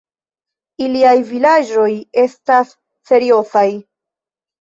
Iliaj vizaĝoj estas seriozaj.